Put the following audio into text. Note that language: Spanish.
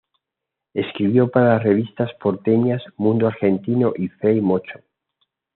Escribió para las revistas porteñas "Mundo Argentino" y "Fray Mocho".